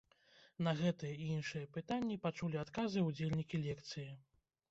На гэтыя і іншыя пытанні пачулі адказы удзельнікі лекцыі.